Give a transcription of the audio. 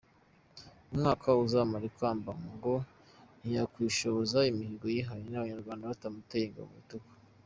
Mu mwaka azamarana ikamba ngo ntiyakwishoboza imihigo yihaye Abanyarwanda batamuteye ingabo mu bitugu.